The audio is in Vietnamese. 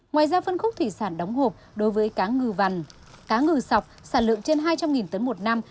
ngoài ra phân khúc thủy sản đóng hộp đối với cá ngừ vằn cá ngừ sọc sản lượng trên hai trăm linh tấn một năm